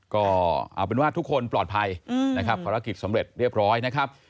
ก็เอาเป็นว่าทุกคนปลอดภัยนะครับภารกิจสำเร็จเรียบร้อยนะครับ